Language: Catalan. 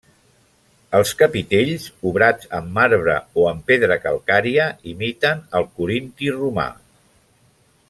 Els capitells, obrats en marbre o en pedra calcària, imiten el corinti romà.